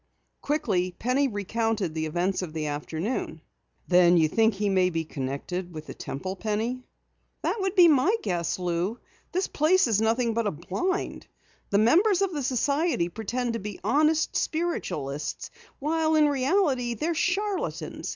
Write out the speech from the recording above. Quickly Penny recounted the events of the afternoon. "Then you think he may be connected with the Temple, Penny?" "That would be my guess. Lou, this place is nothing but a blind. The members of the society pretend to be honest spiritualists, while in reality they're charlatans.